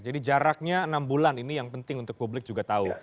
jadi jaraknya enam bulan ini yang penting untuk publik juga tahu